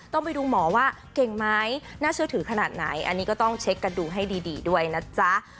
ต้องไปดูหมอว่าเก่งไหมน่าเชื่อถือขนาดไหนอันนี้ก็ต้องเช็คกันดูให้ดีด้วยนะจ๊ะ